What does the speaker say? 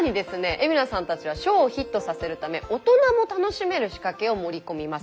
海老名さんたちはショーをヒットさせるため大人も楽しめる仕掛けを盛り込みます。